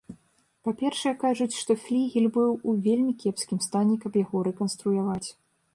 Па-першае, кажуць, што флігель быў у вельмі кепскім стане, каб яго рэканструяваць.